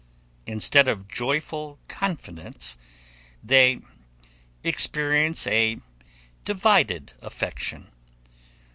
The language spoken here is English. Instead of joyful confidence, they experience a divided affection.